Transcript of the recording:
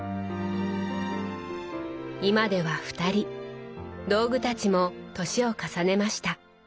今では２人道具たちも年を重ねました。